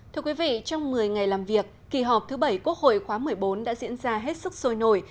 thưa quý vị trong một mươi ngày làm việc kỳ họp thứ bảy quốc hội khóa một mươi bốn đã diễn ra hết sức sôi nổi